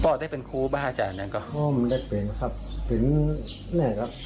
พ่อได้เป็นครูบาฮาจารย์เนี่ยก็โอ้มันได้เป็นครับเป็นเนี่ยครับ